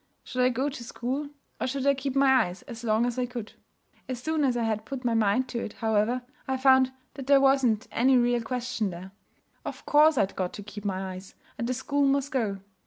Should I go to school, or should I keep my eyes as long as I could? As soon as I had put my mind to it, however, I found that there wasn't any real question there. Of course I'd got to keep my eyes, and the school must go.